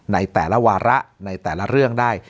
ในแต่ละวาระในแต่ละเรื่องได้